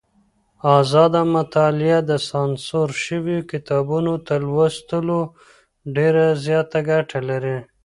ازاده مطالعه د سانسور شويو کتابونو تر لوستلو ډېره زياته ګټه لري.